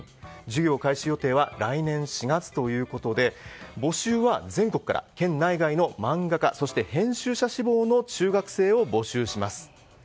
授業開始予定は来年４月ということで募集は全国から県内外の漫画家、そして編集者志望の中学生を募集します。